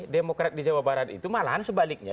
demokrat di jawa barat itu malahan sebaliknya